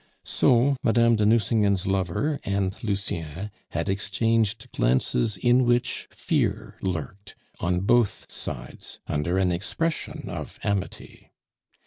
So Madame de Nucingen's lover and Lucien had exchanged glances in which fear lurked, on both sides, under an expression of amity.